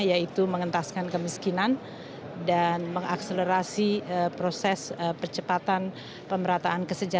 yaitu mengentaskan kemiskinan dan mengakselerasi proses percepatan pemerataan